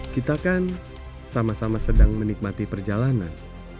kita kan sama sama sedang menikmati perjalanan